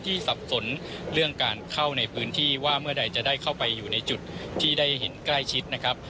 สับสนเรื่องการเข้าในพื้นที่ว่าเมื่อใดจะได้เข้าไปอยู่ในจุดที่ได้เห็นใกล้ชิดนะครับ